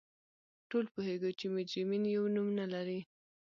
ټول پوهیږو چې مجرمین یو نوم نه لري